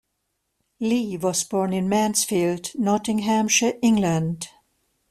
Lee was born in Mansfield, Nottinghamshire, England.